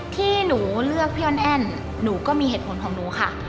ที่หนูเลือกพี่อ้อนแอ้นหนูก็มีเหตุผลของหนูค่ะ